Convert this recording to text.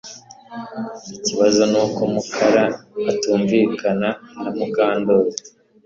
Ikibazo nuko Mukara atumvikana na Mukandoli